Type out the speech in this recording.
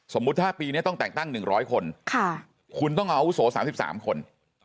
สมมุติถ้าปีนี้ต้องแต่งตั้ง๑๐๐คนคุณต้องอาวุโส๓๓คน